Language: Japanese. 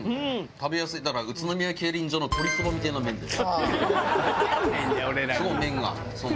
食べやすいだから宇都宮競輪場のとりそばみたいな麺です。